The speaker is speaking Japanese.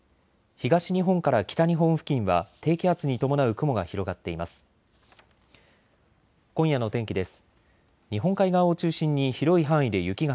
東日本から北日本付近は低気圧に伴う雲が広がっています。